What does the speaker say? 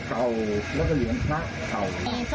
บูรค่าความเสียหายเป็น๕แสนบาทได้อะค่ะ